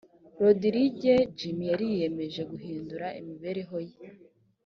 rodirige jimmy yari yiyemeje guhindura imibereho ye